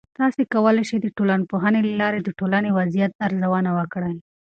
تاسې کولای سئ د ټولنپوهنې له لارې د ټولنې وضعیت ارزونه وکړئ.